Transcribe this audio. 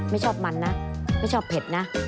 ไม่ชอบมันนะไม่ชอบเผ็ดนะ